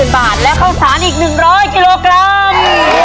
๒๐๐๐๐บาทแล้วข้าวสานอีก๑๐๐กิโลกรัม